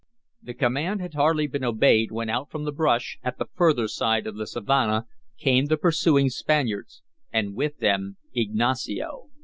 The command had hardly been obeyed when out from the brush at the further side of the savanna came the pursuing Spaniards and with them Ignacio.